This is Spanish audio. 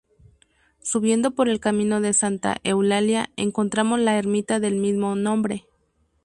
Subiendo por el camino de Santa Eulalia, encontramos la ermita del mismo nombre.